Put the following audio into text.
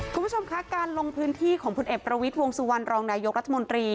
คุณผู้ชมคะการลงพื้นที่ของพลเอกประวิทย์วงสุวรรณรองนายกรัฐมนตรี